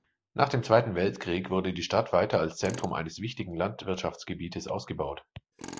Nach dem Zweiten Weltkrieg wurde die Stadt weiter als Zentrum eines wichtigen Landwirtschaftsgebietes ausgebaut.